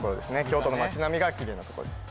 京都の街並みがキレイなところです